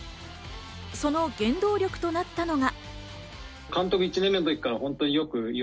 その原動力となったのが。